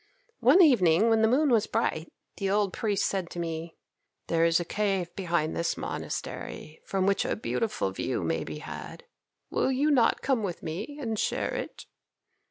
One evening, when the moon was bright, the old priest said to me, 'There is a cave behind this monastery from which a beautiful view may be had; will you not come with me and share it?'